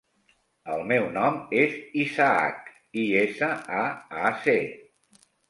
El meu nom és Isaac: i, essa, a, a, ce.